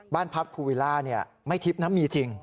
บ้านพักภูวิลล่าไม่ทิพย์นะมีจริง